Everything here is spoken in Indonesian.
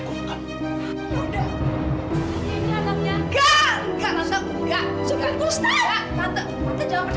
kamu gak usah ikut campur